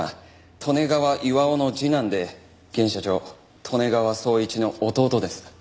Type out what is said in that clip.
利根川巌の次男で現社長利根川宗一の弟です。